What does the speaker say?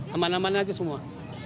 teman teman saja semua